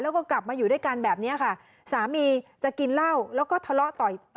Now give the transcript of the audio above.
แล้วก็กลับมาอยู่ด้วยกันแบบนี้ค่ะสามีจะกินเหล้าแล้วก็ทะเลาะต่อย